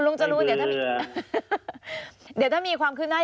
ดิมดีเสมอครับผม